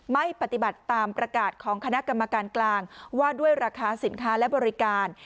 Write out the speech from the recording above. ไม่ปฏิบัติตามประกาศของคณะกรรมการกลางว่าด้วยราคาสินค้าและบริการ